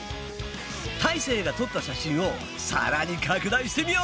たいせいが撮った写真を更に拡大してみよう！